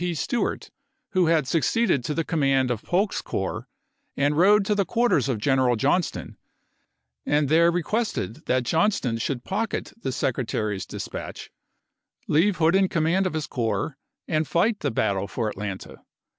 P. Stewart, who had succeeded to the command of Polk's corps, and rode to the quarters of General Johnston, and there requested that Johnston should 266 ABKAHAM LINCOLN ATLANTA 267 pocket the Secretary's dispatch, leave Hood in chap. xii. command of his corps, and fight the battle for At lanta.